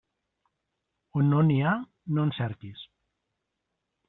On no n'hi ha, no en cerquis.